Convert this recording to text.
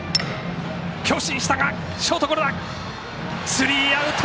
スリーアウト！